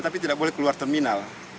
tapi tidak boleh keluar terminal